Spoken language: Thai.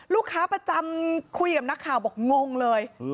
ลูกค้าประจำคุยกับนักข่าวบอกงงเลย